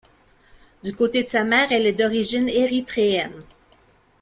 Du côté de sa mère, elle est d'origine érythréenne.